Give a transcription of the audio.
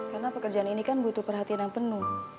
karena pekerjaan ini kan butuh perhatian yang penuh